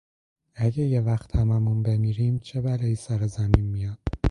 اگه یهوقت همهمون بمیریم، چه بلایی سر زمین میاد؟